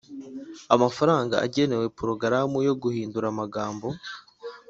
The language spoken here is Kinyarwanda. amafaranga agenewe Porogaramu yo guhindura amagambo